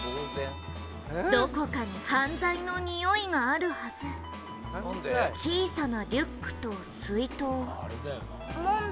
「どこかに犯罪のにおいがあるはず」「“小さなリュックと水筒”問題ないわよね？」